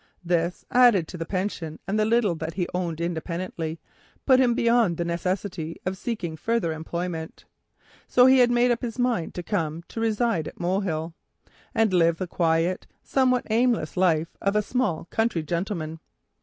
This, added to his pension and the little that he owned independently, put him beyond the necessity of seeking further employment. So he had made up his mind to come to reside at Molehill, and live the quiet, somewhat aimless, life of a small country gentleman.